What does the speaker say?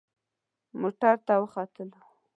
موټر ته وختلو.